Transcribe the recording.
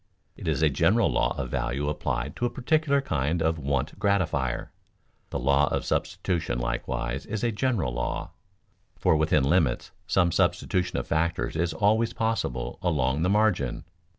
It is a general law of value applied to a particular kind of want gratifier. The law of substitution likewise is a general law, for within limits some substitution of factors is always possible along the margin.